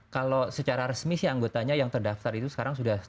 kalau secara resmi sih anggotanya yang terdaftar itu sekarang sudah